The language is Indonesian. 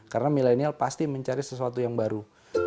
karena milenial pasti mencari sesuatu yang baru